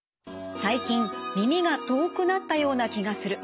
最近耳が遠くなったような気がする。